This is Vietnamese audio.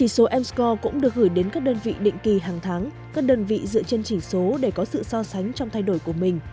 số m score cũng được gửi đến các đơn vị định kỳ hàng tháng các đơn vị dựa trên chỉ số để có sự so sánh trong thay đổi của mình